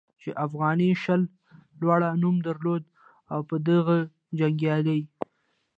چې افغاني شل لوړ نوم درلود او په دغه جنګیالي